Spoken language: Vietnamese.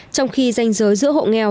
trong khi danh giới giữa hộ nghèo